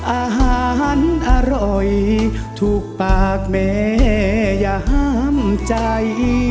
อาหารอร่อยทุกปากแม่ย้ำใจ